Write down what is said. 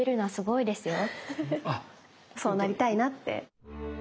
そうなりたいなって。